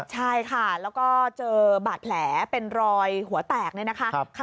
ใช่ค่ะแล้วก็เจอบาดแผลเป็นรอยหัวแตกเนี่ยนะคะ